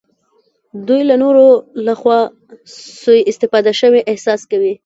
دوی د نورو لخوا سوء استفاده شوي احساس کوي.